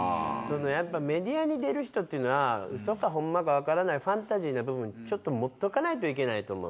メディアに出る人っていうのは、うそかほんまか分からないファンタジーな部分をちょっと持っとかないといけないと思う。